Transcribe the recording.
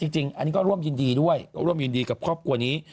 จริงอันนี้ก็ร่วมยินดีด้วยร่วมยินดีกับครอบครัวนี้